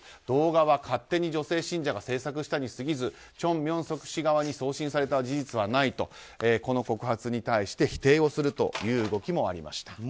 動画は勝手に女性信者が制作したに過ぎずチョン・ミョンソク氏側に送信された事実はないとこの告発に対して否定をするという動きもありました。